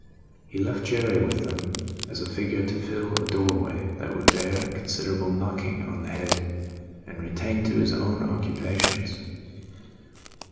He left Jerry with them, as a figure to fill a doorway that would bear considerable knocking on the head, and returned to his own occupations.